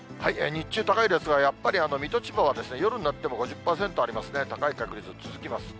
日中高いですが、やっぱり水戸、千葉は夜になっても、５０％ありますね、高い確率続きます。